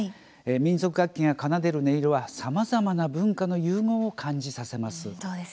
民族楽器が奏でる音色はさまざまな文化の融合を感じさせます。